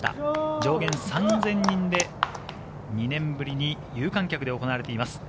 上限３０００人で、２年ぶりに有観客で行われています。